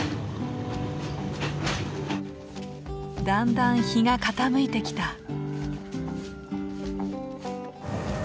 だんだん日が傾いてきた。